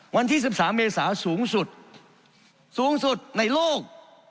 วันที่๑๓เมษาสูงสุดสูงสุดในโลก